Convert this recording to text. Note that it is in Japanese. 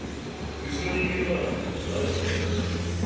ウチの人間なら誰でも使えたはずです。